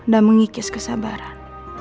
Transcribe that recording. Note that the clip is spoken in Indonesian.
dan mengikis kesabaran